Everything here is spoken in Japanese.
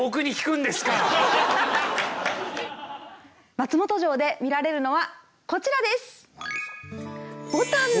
松本城で見られるのはこちらです。